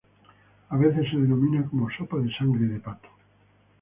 A veces se denomina como "Sopa de sangre de pato".